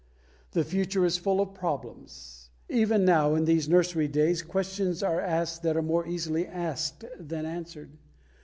The future is full of problems. Even now in these Nursery days questions are asked that are more easily asked than answered.